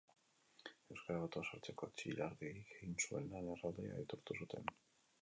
Euskara batua sortzeko Txillardegik egin zuen lan erraldoia aitortu zuten.